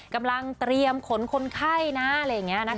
กำลังเตรียมขนคนไข้นะ